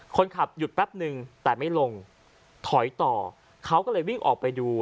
คนขับหยุดแป๊บนึงแต่ไม่ลงถอยต่อเขาก็เลยวิ่งออกไปดู